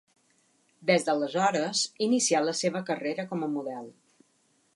Des d'aleshores inicià la seva carrera com a model.